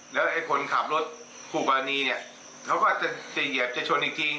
แล้วไอ้คนขับรถคู่กรณีเนี่ยเขาก็จะเหยียบจะชนจริง